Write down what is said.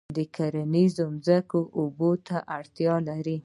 کرنیزې ځمکې اوبو ته اړتیا لري.